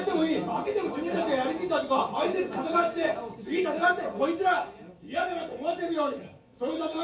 負けても自分たちがやりきったっていうか相手と戦って次戦ってこいつら嫌だなと思わせるように！